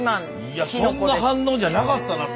いやそんな反応じゃなかったな